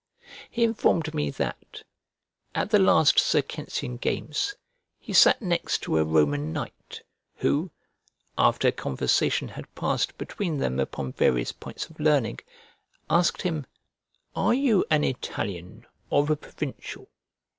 He informed me that, at the last Circensian games, he sat next to a Roman knight, who, after conversation had passed between them upon various points of learning, asked him, "Are you an Italian, or a provincial?"